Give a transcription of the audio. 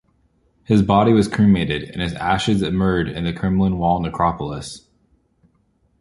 His body was cremated and his ashes immured in the Kremlin Wall Necropolis.